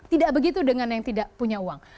tidak begitu dengan yang tidak punya uang